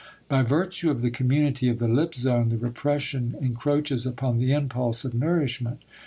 By virtue of the community of the lip zone the repression encroaches upon the impulse of nourishment.